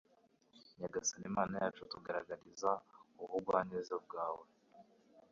Nyagasani Mana yacu utugaragarize ubugwaneza bwawe